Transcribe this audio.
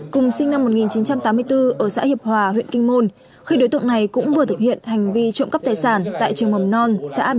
cùng sinh năm một nghìn chín trăm tám mươi bốn ở xã hiệp hòa huyện kinh môn